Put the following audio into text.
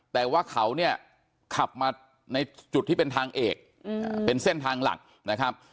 แต่ว่าเขาเนี่ยขับมาในจุดที่เป็นทางเอกเป็นเส้นทางหลักนะครับ